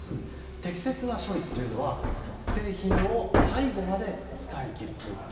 適切な処理というのは製品を最後まで使い切るということ。